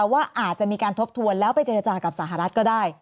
ว่าอาจจะมีการทบทวนแล้วไปเจรจากับสหรัฐก็ได้